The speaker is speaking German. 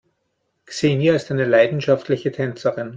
Xenia ist leidenschaftliche Tänzerin.